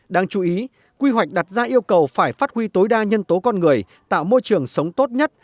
đáng chú ý quy hoạch đặt ra yêu cầu phải phát huy tối đa nhân tố con người tạo môi trường sống tốt nhất